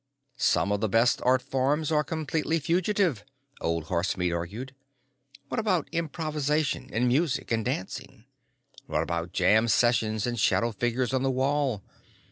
"Some of the best art forms are completely fugitive," Old Horsemeat argued. "What about improvisation in music and dancing? What about jam sessions and shadow figures on the wall?